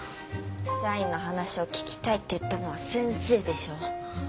社員の話を聞きたいって言ったのは先生でしょ。